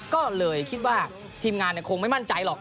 ก็เลยคิดว่าทีมงานคงไม่มั่นใจหรอก